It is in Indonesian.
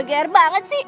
ger banget sih